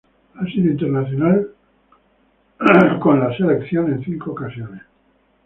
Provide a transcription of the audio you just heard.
Ha sido internacional con la en cinco ocasiones.